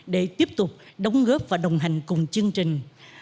để tiếp tục đóng góp và đồng hành cùng chương trình